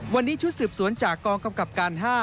วันนี้ชุดสืบสวนจากกองกำกับการ๕